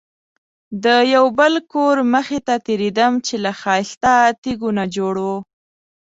د یو بل کور مخې ته تېرېدم چې له ښایسته تیږو نه جوړ و.